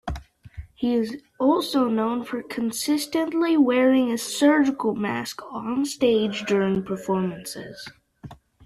He is also known for consistently wearing a surgical mask on stage during performances.